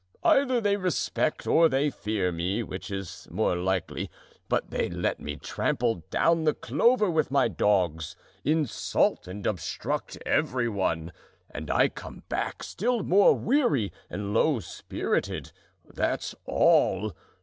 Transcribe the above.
Either they respect or they fear me, which is more likely, but they let me trample down the clover with my dogs, insult and obstruct every one, and I come back still more weary and low spirited, that's all.